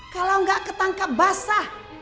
kalau gak ketangkap basah